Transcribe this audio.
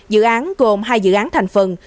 dự án gồm hai dự án thành phần